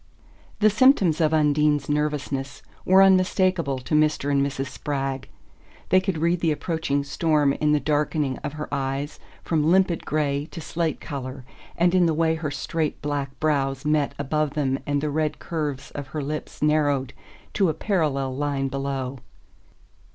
The symptoms of Undine's nervousness were unmistakable to Mr. and Mrs. Spragg. They could read the approaching storm in the darkening of her eyes from limpid grey to slate colour, and in the way her straight black brows met above them and the red curves of her lips narrowed to a parallel line below.